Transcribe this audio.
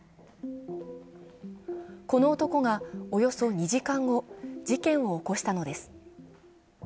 この男がおよそ２時間後、事件を起こしたのです。